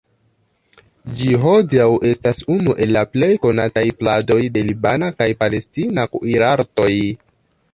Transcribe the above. Ĝi hodiaŭ estas unu el la plej konataj pladoj de libana kaj palestina kuirartoj.